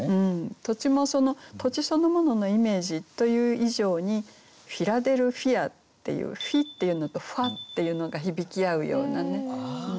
土地も土地そのもののイメージという以上に「フィラデルフィア」っていう「フィ」っていうのと「ファ」っていうのが響き合うようなね。